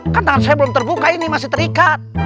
kan tangan saya belum terbuka ini masih terikat